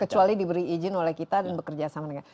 kecuali diberi izin oleh kita dan bekerja sama dengan